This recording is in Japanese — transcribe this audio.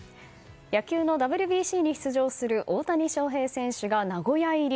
野球のＷＢＣに出場する大谷翔平選手が名古屋入り。